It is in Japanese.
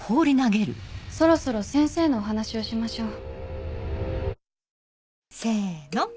そろそろ先生のお話をしましょう。